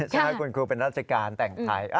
ใช่คุณครูเป็นราชการแต่งไทย